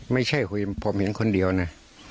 ไม่ใช่คุยผมเห็นคนเดียวนะ